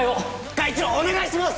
会長お願いします！